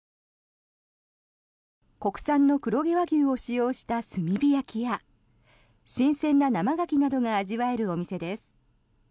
国産の黒毛和牛を使用した炭火焼きや新鮮な生ガキなどが味わえるお店です。